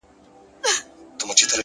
پوهه د فکر افقونه لرې وړي